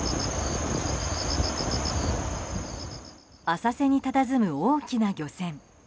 浅瀬にたたずむ大きな漁船。